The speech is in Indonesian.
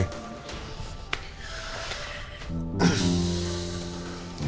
terima kasih pak al